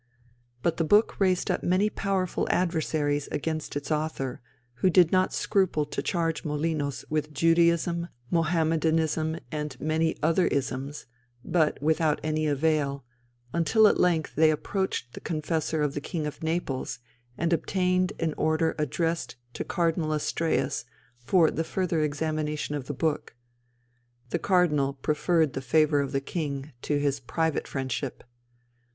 But the book raised up many powerful adversaries against its author, who did not scruple to charge Molinos with Judaism, Mohammedanism, and many other "isms," but without any avail, until at length they approached the confessor of the King of Naples, and obtained an order addressed to Cardinal Estraeus for the further examination of the book. The Cardinal preferred the favour of the king to his private friendship.